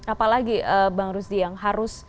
apalagi bang rusdi yang harus